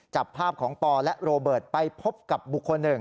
จับภาพของปอและโรเบิร์ตไปพบกับบุคคลหนึ่ง